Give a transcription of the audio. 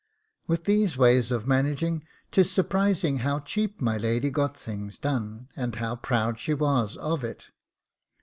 With these ways of managing, 'tis surprising how cheap my lady got things done, and how proud she was of it.